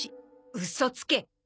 ウソつけ。